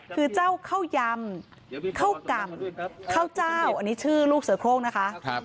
คือเจ้าข้าวยำข้าวก่ำข้าวเจ้าอันนี้ชื่อลูกเสือโครงนะคะ